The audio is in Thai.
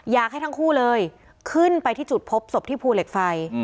อยากให้ทั้งคู่เลยขึ้นไปที่จุดพบศพที่ภูเหล็กไฟ